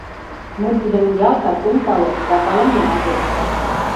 Мый тидым ялтак ом пале да палымемат ок шу.